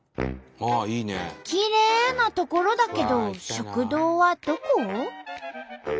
きれいな所だけど食堂はどこ？